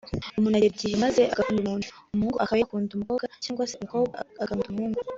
umuntu agera igihe maze agakunda umuntu ; umuhungu akaba yakunda umukobwa cyangwa se umukobwa agakunda umuhungu